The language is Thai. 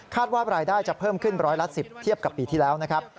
ว่ารายได้จะเพิ่มขึ้นร้อยละ๑๐เทียบกับปีที่แล้วนะครับ